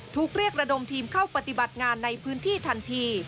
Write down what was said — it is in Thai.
ถูกเรียกระดมทีมเข้าปฏิบัติงานในพื้นที่ทันที